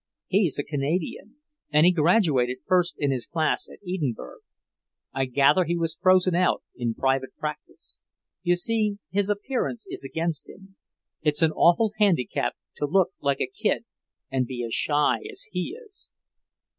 He's a Canadian, and he graduated first in his class at Edinburgh. I gather he was frozen out in private practice. You see, his appearance is against him. It's an awful handicap to look like a kid and be as shy as he is."